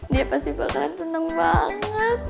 dia pasti bakalan seneng banget